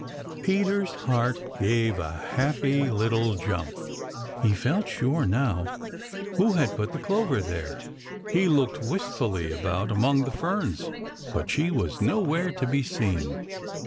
Peter's heart gave a happy little jump. He felt sure now who had put the clover there. He looked wistfully about among the ferns, but she was nowhere to be seen.